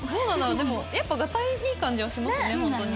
でもやっぱガタイいい感じはしますね。